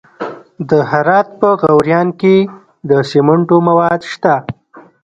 د هرات په غوریان کې د سمنټو مواد شته.